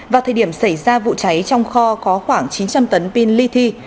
vào thời điểm xảy ra vụ cháy trong kho có khoảng chín trăm linh tấn pin ly thi